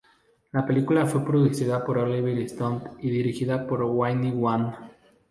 La película fue producida por Oliver Stone y dirigida por Wayne Wang.